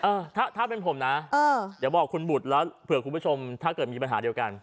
เออถ้าถ้าเป็นผมนะเออเดี๋ยวบอกคุณบุตรแล้วเผื่อคุณผู้ชมถ้าเกิดมีปัญหาเดียวกัน